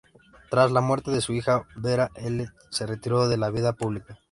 Tras la muerte de su hija, Vera-Ellen se retiró de la vida pública.